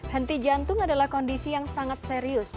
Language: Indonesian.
henti jantung adalah kondisi yang sangat serius